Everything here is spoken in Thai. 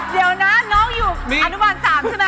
เดี๋ยวนะน้องอยู่อนุบาล๓ใช่ไหม